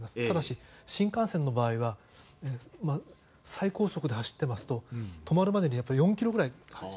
ただし新幹線の場合は最高速で走っていますと止まるまでに、４ｋｍぐらい。